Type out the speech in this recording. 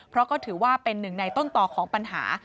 เพราะก็ถือว่าเป็นหนึ่งในต้นต่อของปัญหา